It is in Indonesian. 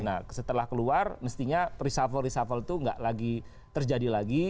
nah setelah keluar mestinya risafal risafal itu tidak lagi terjadi lagi